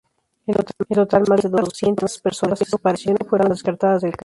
En total, más de doscientas personas desaparecidas fueron descartadas del caso.